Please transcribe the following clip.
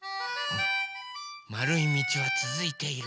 まるいみちはつづいている。